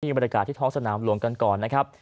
บรรยากาศที่ท้องสนามหลวงกันก่อนนะครับ